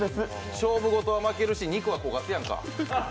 勝負事は負けるし肉は焦がすやんか。